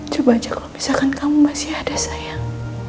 coba aja kalau misalkan kamu masih ada sayang